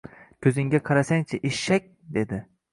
Ko‘zingga qarasang-chi eshak dedi